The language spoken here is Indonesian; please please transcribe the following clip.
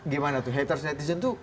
gimana tuh haters netizen tuh